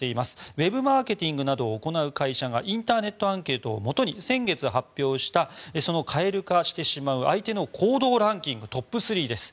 ウェブマーケティングなどを行う会社がインターネットアンケートをもとに先月発表した蛙化してしまう相手の行動ランキングトップ３です。